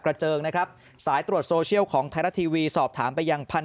เจิงนะครับสายตรวจโซเชียลของไทยรัฐทีวีสอบถามไปยังพันธ